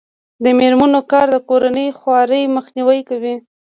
د میرمنو کار د کورنۍ خوارۍ مخنیوی کوي.